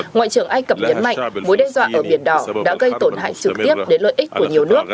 ngoại trưởng ai cập nhấn mạnh mối đe dọa ở biển đỏ đã gây tổn hại trực tiếp đến lợi ích của nhiều nước